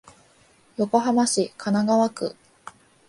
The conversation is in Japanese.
横浜市神奈川区